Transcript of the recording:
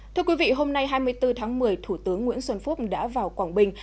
thưa quý vị hôm nay hai mươi bốn tháng một mươi thủ tướng nguyễn xuân phúc đã vào quảng bình